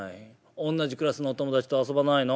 おんなじクラスのお友達と遊ばないの？」。